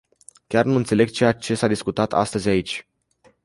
Chiar nu înțeleg ceea s-a discutat astăzi aici.